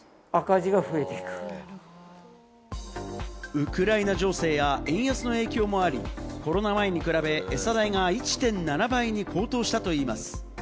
ウクライナ情勢や円安の影響もあり、コロナ前に比べ、エサ代が１．７倍に高騰したといいます。